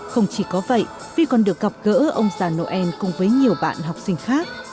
không chỉ có vậy vi còn được gặp gỡ ông già noel cùng với nhiều bạn học sinh khác